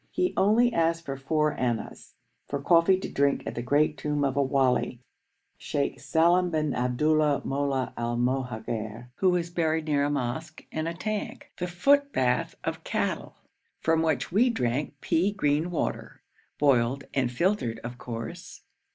He only asked for four annas for coffee to drink at the great tomb of a wali, Sheikh Salem bin Abdullah Mollah el Mohagher, who is buried near a mosque and a tank, the footbath of cattle, from which we drank pea green water, boiled and filtered of course.